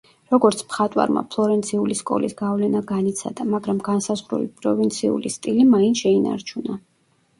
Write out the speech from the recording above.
როგორც მხატვარმა ფლორენციული სკოლის გავლენა განიცადა, მაგრამ განსაზღვრული პროვინციული სტილი მაინც შეინარჩუნა.